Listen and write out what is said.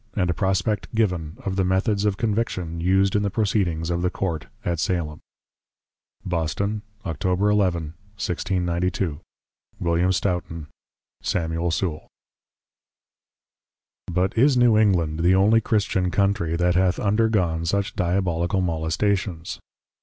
And a Prospect given, of the +Methods of Conviction+, used in the Proceedings of the Court at +Salem+_ Boston Octob. 11. William Stoughton 1692. Samuel Sewall. But is New England, the only Christian Countrey, that hath undergone such Diabolical Molestations?